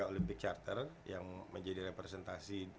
olympic charter yang menjadi representasi